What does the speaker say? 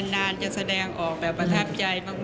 นานจะแสดงออกแบบประทับใจมาก